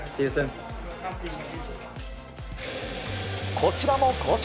こちらも好調。